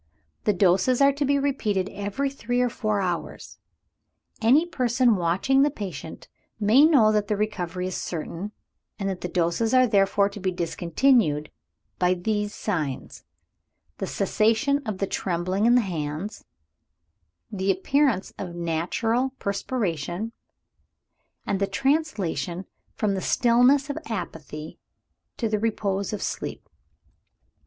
The doses are to be repeated every three or four hours. Any person watching the patient may know that the recovery is certain, and that the doses are therefore to be discontinued, by these signs: the cessation of the trembling in the hands; the appearance of natural perspiration; and the transition from the stillness of apathy to the repose of sleep.